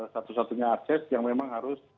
satu satunya aset yang memang harus